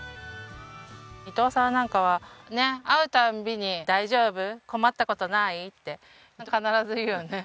伊藤さんなんかはね会う度に「大丈夫？」「困った事ない？」って必ず言うよね。